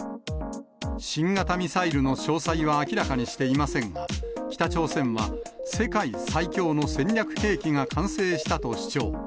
新型ミサイルの詳細は明らかにしていませんが、北朝鮮は世界最強の戦略兵器が完成したと主張。